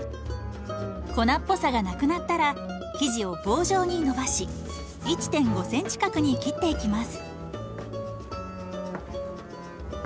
粉っぽさがなくなったら生地を棒状にのばし１．５ｃｍ角に切っていきます。